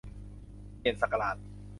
เปลี่ยนศักราช